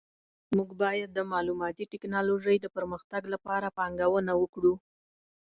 موږ باید د معلوماتي ټکنالوژۍ د پرمختګ لپاره پانګونه وکړو